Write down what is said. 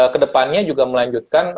kedepannya juga melanjutkan